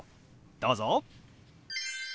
どうぞ。